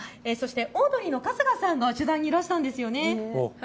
そしてオードリーの春日さんも取材にいらしたんですよね。